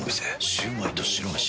シュウマイと白めし。